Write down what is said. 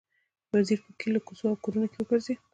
وزیر په کلیو، کوڅو او کورونو کې وګرځېد.